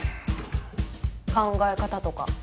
考え方とか。